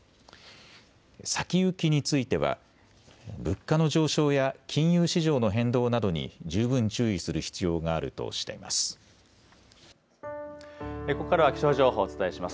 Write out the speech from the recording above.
先行きについては物価の上昇や金融市場の変動などに十分注意する必要があるとしています。